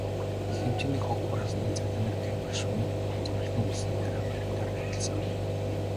Их хэмжээний хог хураасныг цагдаа нар камер шүүн, зөвлөгөөн болсны дараа баримтаар нотолсон.